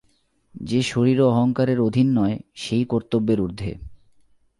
যে শরীর ও অহংকারের অধীন নয়, সেই কর্তব্যের ঊর্ধ্বে।